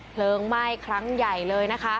เผลิงไหม้ครั้งใหญ่เลย